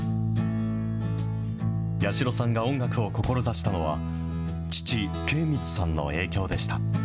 八代さんが音楽を志したのは、父、敬光さんの影響でした。